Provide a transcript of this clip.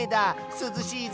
すずしいぞ。